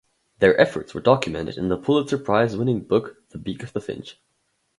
Their efforts were documented in the Pulitzer Prize-winning book "The Beak of the Finch".